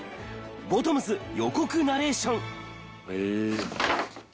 『ボトムズ』予告ナレーション。